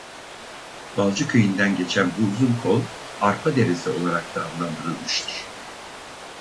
Balcı köyünden geçen bu uzun kol Arpa Deresi olarak da adlandırılmıştır.